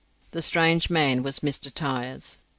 The strange man was Mr. Tyers.